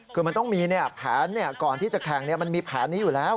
คือทีมก่อนจะแข่งมันมีแผนนี้อยู่แล้ว